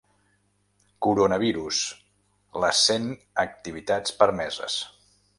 Coronavirus: les cent activitats permeses.